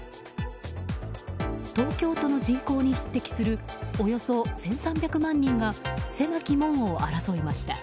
東京都の人口に匹敵するおよそ１３００万人が狭き門を争いました。